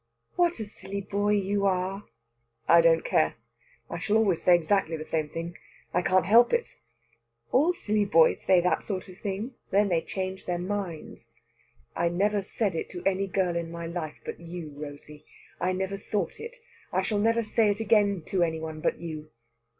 "What a silly boy you are!" "I don't care. I shall always say exactly the same. I can't help it." "All silly boys say that sort of thing. Then they change their minds." "I never said it to any girl in my life but you, Rosey. I never thought it. I shall never say it again to any one but you."